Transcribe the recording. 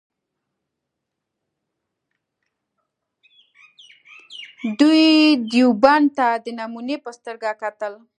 دوی دیوبند ته د نمونې په سترګه کتل.